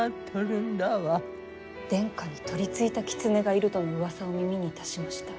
殿下に取りついた狐がいるとのうわさを耳にいたしました。